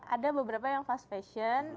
ada beberapa yang fast fashion